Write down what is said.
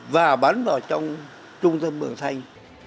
và bắn vào trong trung tâm bường thanh